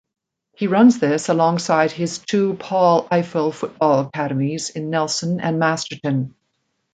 He runs this alongside his two Paul Ifill Football Academies in Nelson and Masterton.